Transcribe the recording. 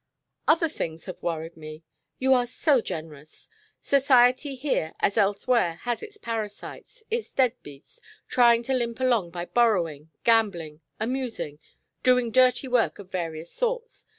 "Other things have worried me. You are so generous. Society here as elsewhere has its parasites, its dead beats, trying to limp along by borrowing, gambling, 'amusing,' doing dirty work of various sorts.